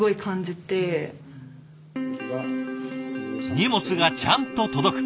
荷物がちゃんと届く。